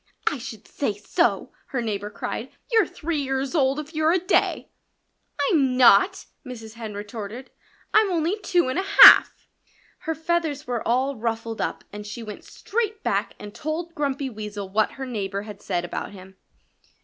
"I should say so!" her neighbor cried. "You're three years old if you're a day!" "I'm not!" Mrs. Hen retorted. "I'm only two and a half." Her feathers were all ruffled up and she went straight back and told Grumpy Weasel what her neighbor had said about him.